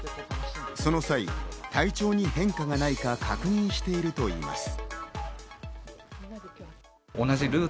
その際、体調に変化がないか確認しているといいます。